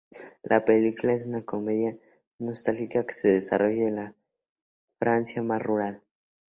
La película es una comedia nostálgica que se desarrolla en la Francia más rural.